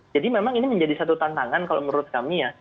jadi memang ini menjadi satu tantangan kalau menurut kami ya